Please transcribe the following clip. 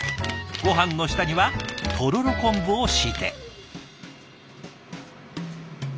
ごはんの下にはとろろ昆布を敷いて。